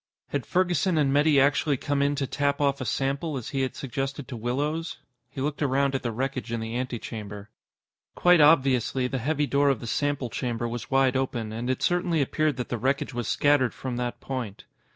Had Ferguson and Metty actually come in to tap off a sample, as he had suggested to Willows? He looked around at the wreckage in the antechamber. Quite obviously, the heavy door of the sample chamber was wide open, and it certainly appeared that the wreckage was scattered from that point.